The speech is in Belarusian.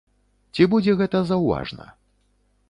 Ці будзе гэта заўважна?